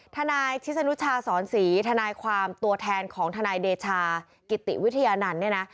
ทนายชิศนุชาสอนศรีทนายความตัวแทนของทนายเดชากิติวิทยานันต์เนี่ยนะ